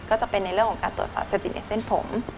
ก็จะเป็นในเรื่องของการตรวจสอบเสพติดในเส้นผม